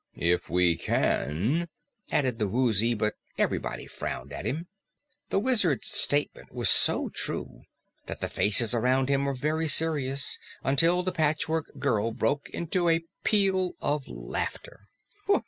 "If we can," added the Woozy, but everybody frowned at him. The Wizard's statement was so true that the faces around him were very serious until the Patchwork Girl broke into a peal of laughter.